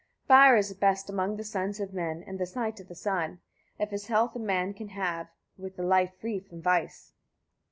68. Fire is best among the sons of men, and the sight of the sun, if his health a man can have, with a life free from vice.